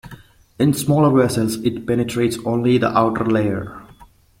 In smaller vessels it penetrates only the outer layer.